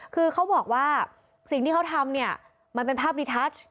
คือเขาบอกว่าสิ่งที่เขาทำเนี่ยมันเป็นภาพรีทัช